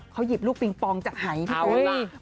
เขาหยิบลูกปริงปองจากไหนพี่ปุ๊ยเอาล่ะ